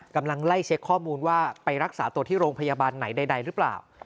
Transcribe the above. กำลังไล่เช็คข้อมูลว่าไปรักษาตัวที่โรงพยาบาลไหนใดหรือเปล่า